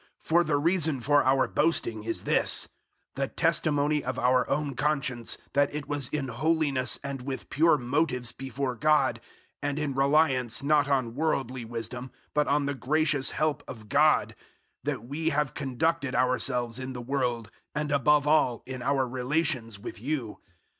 001:012 For the reason for our boasting is this the testimony of our own conscience that it was in holiness and with pure motives before God, and in reliance not on worldly wisdom but on the gracious help of God, that we have conducted ourselves in the world, and above all in our relations with you.